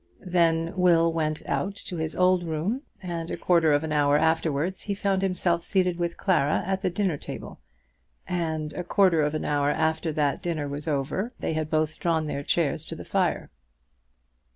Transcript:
Then Will went out to his old room, and a quarter of an hour afterwards he found himself seated with Clara at the dinner table; and a quarter of an hour after that the dinner was over, and they had both drawn their chairs to the fire.